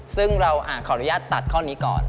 ซึ่งเราขออนุญาตตัดข้อนี้ก่อน